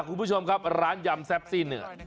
คุณผู้ชมครับร้านยำแซ่บซิ่ม